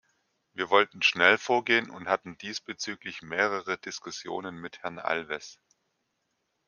Wir wollten schnell vorgehen und hatten diesbezüglich mehrere Diskussionen mit Herrn Alves.